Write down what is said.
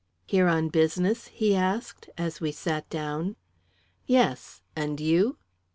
"Here on business?" he asked, as we sat down. "Yes. And you?"